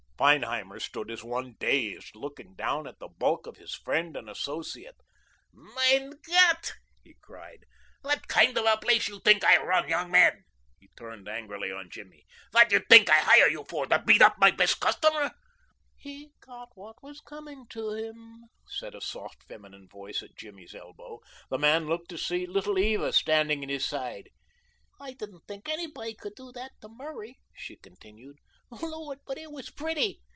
Feinheimer stood as one dazed, looking down at the bulk of his friend and associate. "Mein Gott!" he cried. "What kind of a place you think I run, young man?" He turned angrily on Jimmy. "What you think I hire you for? To beat up my best customer?" "He got what was coming to him," said a soft feminine voice at Jimmy's elbow. The man looked to see Little Eva standing at his side. "I didn't think anybody could do that to Murray," she continued. "Lord, but it was pretty.